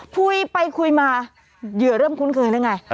คุยไปคุยมาเหยื่อเริ่มคุ้นเคยแล้วไง